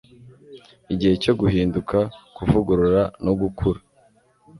igihe cyo guhinduka, kuvugurura no gukura